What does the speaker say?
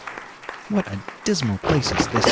"What a dismal place is this!"